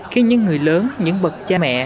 khi những người lớn những bậc cha mẹ